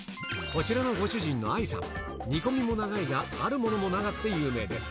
こちらのご主人の阿井さん、煮込みも長いが、あるものも長くて有名です。